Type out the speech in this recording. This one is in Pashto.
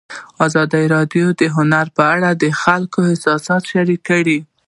ازادي راډیو د هنر په اړه د خلکو احساسات شریک کړي.